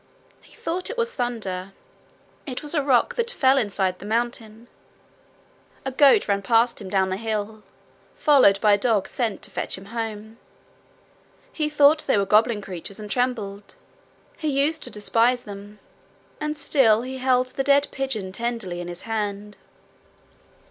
He thought it was thunder. It was a rock that fell inside the mountain. A goat ran past him down the hill, followed by a dog sent to fetch him home. He thought they were goblin creatures, and trembled. He used to despise them. And still he held the dead pigeon tenderly in his hand.